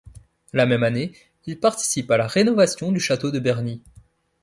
La même année il participe à la rénovation du château de Berny.